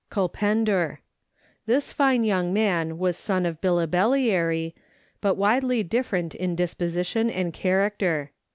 Cnlpendurra (Kul pen dure). This fine young man was son of Billibellary, but widely different in disposition and character.